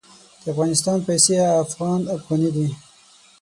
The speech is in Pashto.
د افغانستان پیسې افغان افغاني دي.